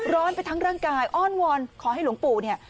ร้อนไปทั้งร่างกายอ้อนวอนขอให้หลวงปู่เนี่ย